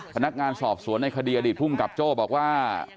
พนักงานสอบสวนในคดีอดีตภูมิกับโจ้บอกว่า